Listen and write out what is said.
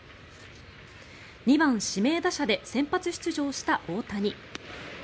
２番指名打者で先発出場した大谷。